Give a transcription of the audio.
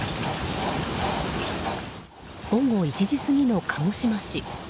午後１時過ぎの鹿児島市。